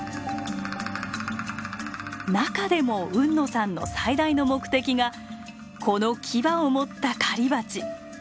中でも海野さんの最大の目的がこのキバを持った狩りバチ。